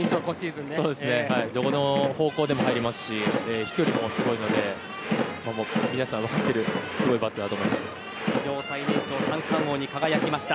どこの方向でも入りますし飛距離もすごいので皆さん、分かっているすごいバッターだと思います。